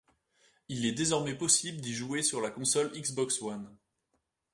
Il est désormais possible d'y jouer sur la console Xbox One.